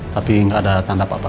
tapi nggak ada tanda apa apa